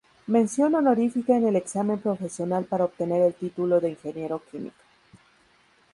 Mención honorífica en el examen profesional para obtener el título de ingeniero químico.